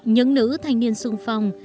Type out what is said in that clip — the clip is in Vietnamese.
những nữ thanh niên sung phong